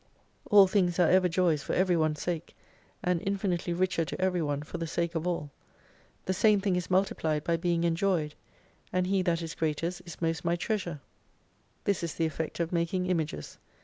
All things are ever joys for every one's sake* and infinitely richer to every one for the sake of all. The same thing is multiplied by being enjoyed. And He that is greatest is most my treasure. This is the 55 effect of making images.